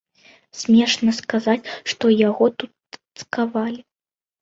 Смешна ж казаць, што яго тут цкавалі.